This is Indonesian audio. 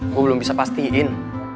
gue belum bisa pastiin